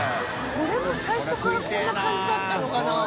これも最初からこんな感じだったのかな？